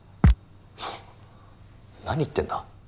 何言ってんだ？